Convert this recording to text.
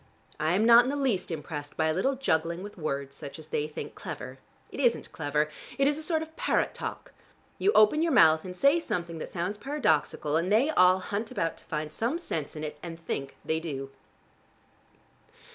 I am not in the least impressed by a little juggling with words such as they think clever. It isn't clever: it is a sort of parrot talk. You open your mouth and say something that sounds paradoxical and they all hunt about to find some sense in it, and think they do."